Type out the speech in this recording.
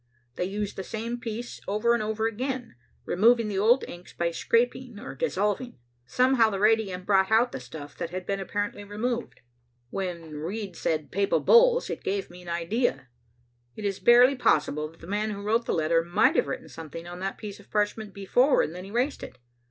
They used the same piece over and over again, removing the old inks by scraping or dissolving. Somehow the radium brought out the stuff that had been apparently removed. When Reid said 'Papal Bulls' it gave me an idea. It is barely possible that the man who wrote the letter might have written something on that piece of parchment before and then erased it.